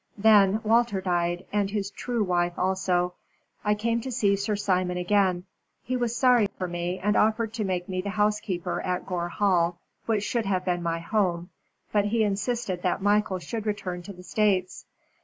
Then Walter died, and his true wife also. I came to see Sir Simon again. He was sorry for me, and offered to make me the housekeeper at Gore Hall, which should have been my home, but he insisted that Michael should return to the States.